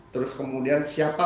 terus kemudian siapa